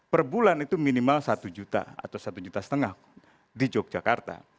per bulan itu minimal satu juta atau satu juta setengah di yogyakarta